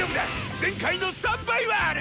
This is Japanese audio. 前回の３倍はある！